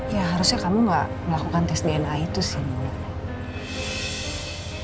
ya harusnya kamu gak melakukan tes dna itu sih